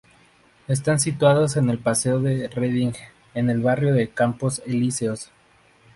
Están situados en el Paseo de Reding, en el barrio de Campos Elíseos.